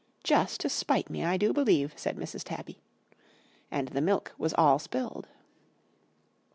'Just to spite me, I do believe,' said Mrs. Tabby. And the milk was all spilled.